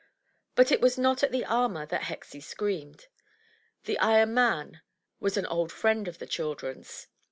But it was not at the armor that Hexie screamed; the iron man was an old friend of the children's.